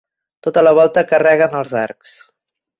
Tota la volta carrega en els arcs.